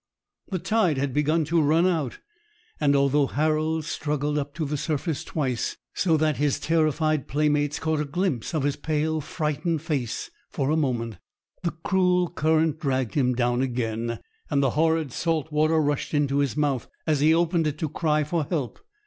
The tide had begun to run out, and although Harold struggled up to the surface twice, so that his terrified playmates caught a glimpse of his pale, frightened face for a moment, the cruel current dragged him down again, and the horrid salt water rushed into his mouth, as he opened it to cry for help.